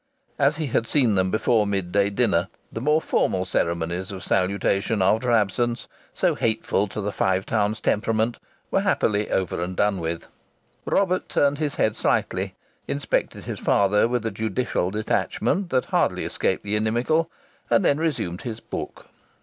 As he had seen them before mid day dinner, the more formal ceremonies of salutation after absence so hateful to the Five Towns temperament were happily over and done with. Robert turned his head slightly, inspected his father with a judicial detachment that hardly escaped the inimical, and then resumed his book.